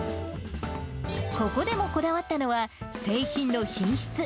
ここでもこだわったのは、製品の品質。